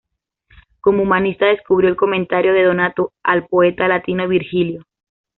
Como humanista descubrió el "Comentario" de Donato al poeta latino Virgilio.